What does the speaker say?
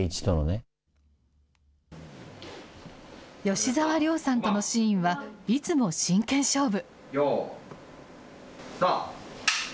吉沢亮さんとのシーンは、いつも真剣勝負。